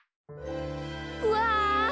うわ！